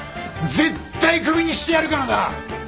絶対クビにしてやるからな！